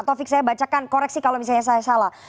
taufik saya bacakan koreksi kalau misalnya saya salah